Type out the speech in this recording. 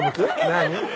何？